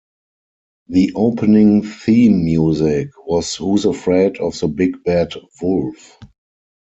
The opening theme music was Who's Afraid of the Big Bad Wolf?